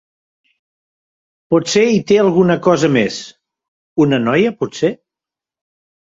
Potser hi té alguna cosa més... una noia, potser?